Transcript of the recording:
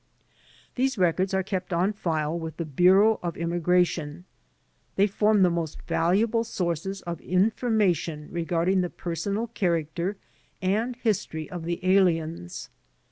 These records are kept on file with the Bureau of Im migration. They form the most valuable sources of in formation regarding the personal character and history of the aliens.